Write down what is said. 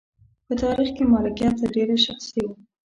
په تاریخ کې مالکیت تر ډېره شخصي و.